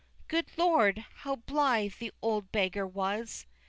III. Good Lord! how blythe the old beggar was!